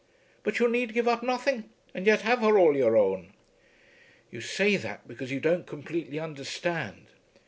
"But you need give up nothing, and yet have her all your own." "You say that because you don't completely understand.